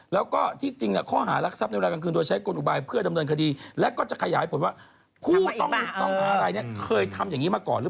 แล้วก็ที่จริงข้อหารักษัพได้ไหนกัน